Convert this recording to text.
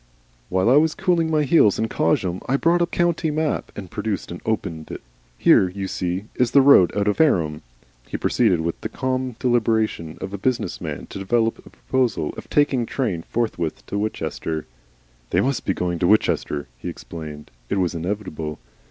"While I was cooling my heels in Cosham I bought a county map." He produced and opened it. "Here, you see, is the road out of Fareham." He proceeded with the calm deliberation of a business man to develop a proposal of taking train forthwith to Winchester. "They MUST be going to Winchester," he explained. It was inevitable.